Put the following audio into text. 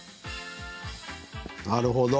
なるほど。